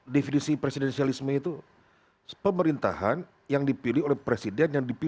definisi presidensialisme itu pemerintahan yang dipilih oleh presiden